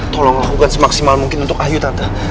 tolong lakukan semaksimal mungkin untuk ayu tante